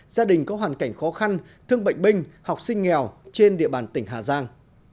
gia đình có hoàn cảnh khó khăn thương bệnh binh học sinh nghèo trên địa bàn tỉnh hà giang